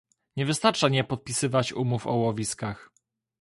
Nie wystarcza nie podpisywać umów o łowiskach